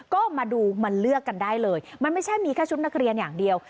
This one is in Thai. ก็มาดูมาเลือกกันได้เลยมันไม่ใช่มีแค่ชุดนักเรียนอย่างเดียว